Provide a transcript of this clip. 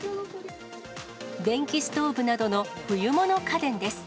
電気ストーブなどの冬物家電です。